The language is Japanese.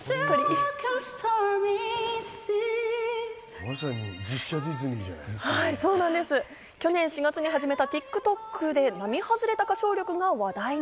まさに実写ディズニーじゃな去年４月に始めたＴｉｋＴｏｋで並外れた歌唱力が話題に。